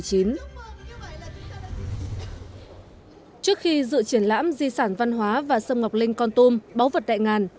trước khi dự triển lãm di sản văn hóa và sông ngọc linh con tôm báu vật đại ngàn